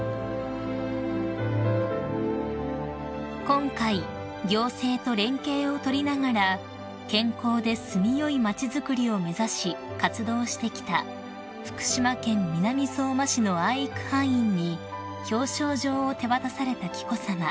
［今回行政と連携を取りながら健康で住みよい町づくりを目指し活動してきた福島県南相馬市の愛育班員に表彰状を手渡された紀子さま］